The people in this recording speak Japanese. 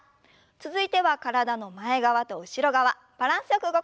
続いては体の前側と後ろ側バランスよく動かしていきましょう。